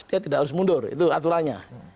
dia tidak harus mundur itu aturannya